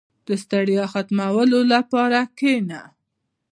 • د ستړیا ختمولو لپاره کښېنه.